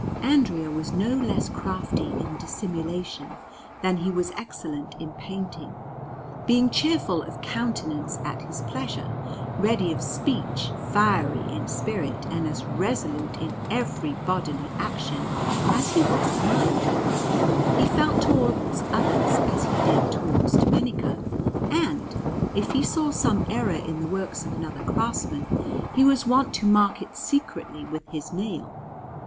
Andrea was no less crafty in dissimulation than he was excellent in painting, being cheerful of countenance at his pleasure, ready of speech, fiery in spirit, and as resolute in every bodily action as he was in mind; he felt towards others as he did towards Domenico, and, if he saw some error in the works of other craftsmen, he was wont to mark it secretly with his nail.